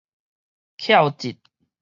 翹脊